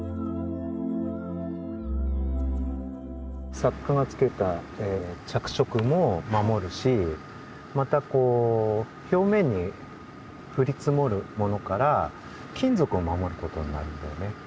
作家がつけた着色も守るしまたこう表面に降り積もるものから金属を守ることになるんだよね。